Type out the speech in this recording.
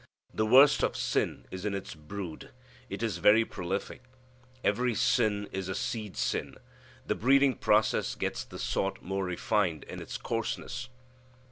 The worst of sin is in its brood. It is very prolific. Every sin is a seed sin. The breeding process gets the sort more refined in its coarseness.